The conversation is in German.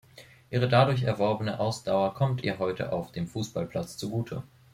Ihre dadurch erworbene Ausdauer kommt ihr heute auf dem Fußballplatz zugute.